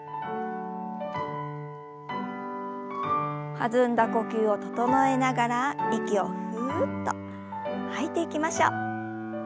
弾んだ呼吸を整えながら息をふっと吐いていきましょう。